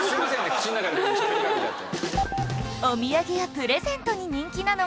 口の中にある時にしゃべりかけちゃって。